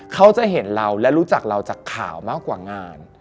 เขาจะเห็นเราและรู้จักเราจากข่าวมากกว่างาน